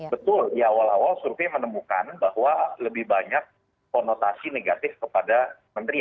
betul di awal awal survei menemukan bahwa lebih banyak konotasi negatif kepada menteri